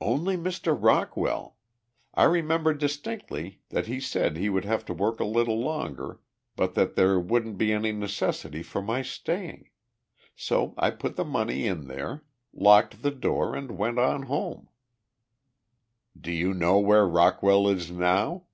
"Only Mr. Rockwell. I remember distinctly that he said he would have to work a little longer, but that there wouldn't be any necessity for my staying. So I put the money in there, locked the door, and went on home." "Do you know where Rockwell is now?"